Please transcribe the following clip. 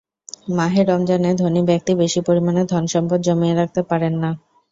মাহে রমজানে ধনী ব্যক্তি বেশি পরিমাণে ধন-সম্পদ জমিয়ে রাখতে পারেন না।